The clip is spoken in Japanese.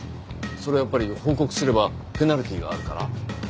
それはやっぱり報告すればペナルティーがあるから？